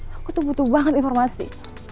aku tuh butuh banget informasi